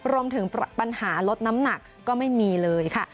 รวมถึงปัญหาลดน้ำหนักก็ไม่มีเลยค่ะ